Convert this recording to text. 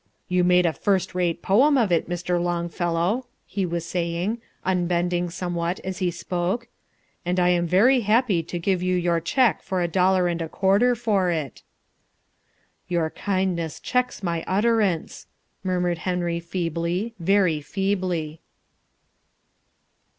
"You have made a first rate poem of it, Mr. Longfellow," he was saying, unbending somewhat as he spoke, "and I am very happy to give you our cheque for a dollar and a quarter for it." "Your kindness checks my utterance," murmured Henry feebly, very feebly.